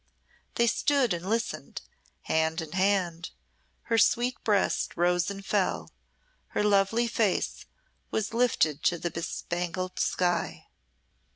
They stood and listened, hand in hand, her sweet breast rose and fell, her lovely face was lifted to the bespangled sky.